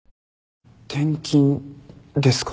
転勤ですか？